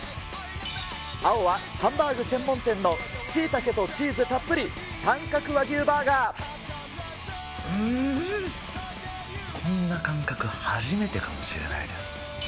青はハンバーグ専門店のしいたけとチーズたっぷり、うーん、こんな感覚初めてかもしれないです。